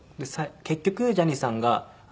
結局ジャニーさんが。